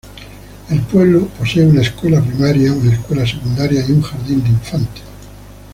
El pueblo posee una escuela primaria, una escuela secundaria y un jardín de infantes.